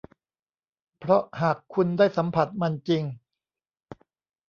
เพราะหากคุณได้สัมผัสมันจริง